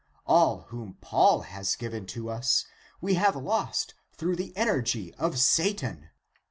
All whom Paul has given to us, we have lost through the energy of Satan.